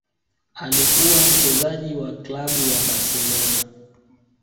Alikuwa mchezaji wa klabu ya Barcelona